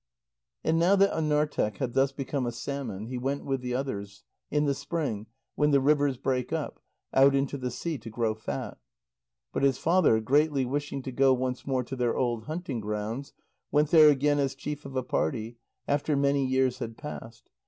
And now that Anarteq had thus become a salmon, he went with the others, in the spring, when the rivers break up, out into the sea to grow fat. But his father, greatly wishing to go once more to their old hunting grounds, went there again as chief of a party, after many years had passed.